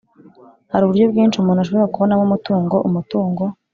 Hari uburyo bwinshi umuntu ashobora kubonamo umutungo Umutungo